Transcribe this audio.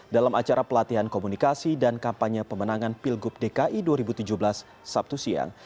dalam acara pelatihan komunikasi dan kampanye pemenangan pilgub dki dua ribu tujuh belas sabtu siang